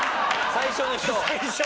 最初の人。